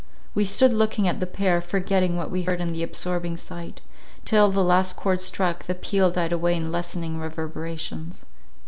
We stood looking at the pair, forgetting what we heard in the absorbing sight; till, the last chord struck, the peal died away in lessening reverberations.